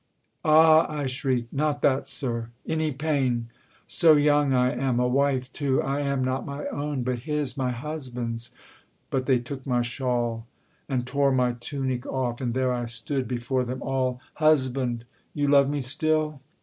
'Ah!' I shrieked, 'Not that, Sir! Any pain! So young I am a wife too I am not my own, But his my husband's!' But they took my shawl, And tore my tunic off, and there I stood Before them all. ... Husband! you love me still?